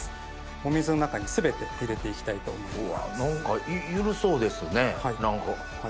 お水の中に全て入れていきたいと思います。